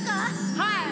はい。